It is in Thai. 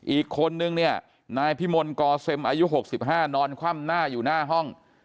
อีกคนนึงเนี่ยนายพิมลกอเซ็มอายุ๖๕นอนคว่ำหน้าอยู่หน้าห้อง